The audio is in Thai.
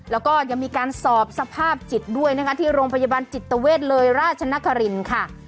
แล้วก็ยังมีการสอบสภาพจิตด้วยนะคะที่โรงพยาบาลจิตเวทเลยราชนครินค่ะ